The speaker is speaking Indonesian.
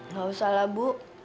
gak usah lah bu